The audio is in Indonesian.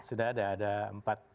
sudah ada ada empat